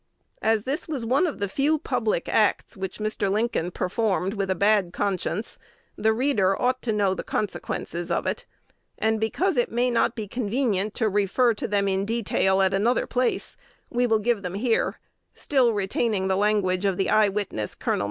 "1 1 As this was one of the few public acts which Mr. Lincoln performed with a bad conscience, the reader ought to know the consequences of it; and, because it may not be convenient to revert to them in detail at another place, we give them here, still retaining the language of the eye witness, Col.